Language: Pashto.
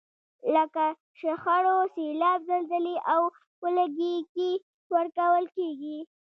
لکه شخړو، سیلاب، زلزلې او ولږې کې ورکول کیږي.